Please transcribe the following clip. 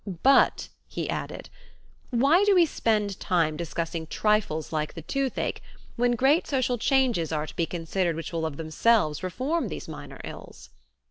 "But," he added, "why do we spend time discussing trifles like the toothache when great social changes are to be considered which will of themselves reform these minor ills?"